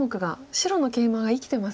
白のケイマが生きてますね。